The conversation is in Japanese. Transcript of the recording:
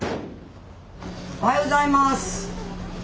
おはようございます。